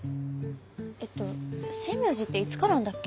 えっと星明寺っていつからあんだっけ？